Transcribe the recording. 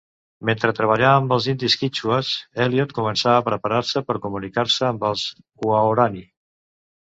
Mentre treballà amb els indis quítxues, Elliot començà a preparar-se per comunicar-se amb els huaorani.